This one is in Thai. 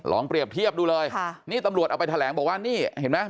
เปรียบเทียบดูเลยค่ะนี่ตำรวจเอาไปแถลงบอกว่านี่เห็นไหม